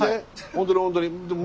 本当に本当に。